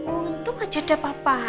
untung aja ada papa